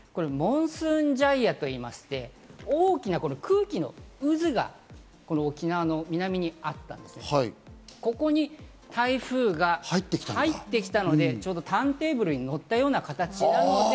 モンスーンジャイアと言いまして、大きな空気の渦が沖縄の南にあってここに台風が入ってきたので、ターンテーブルに乗ったような形。